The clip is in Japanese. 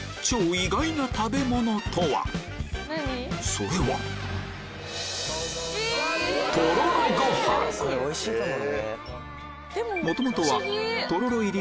それはこれおいしいかもね。